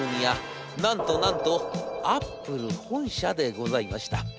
なんとなんとアップル本社でございました。